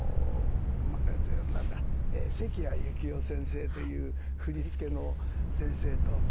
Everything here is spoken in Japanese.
関矢幸雄先生という振り付けの先生と。